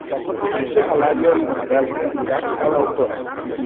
Diumenge na Laia i na Dèlia iran a l'Alcora.